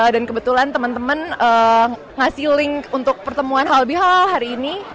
dan kebetulan teman teman ngasih link untuk pertemuan hal bihalal hari ini